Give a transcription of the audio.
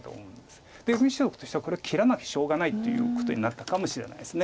でむしろ白としては切らなきゃしょうがないっていうことになったかもしれないです。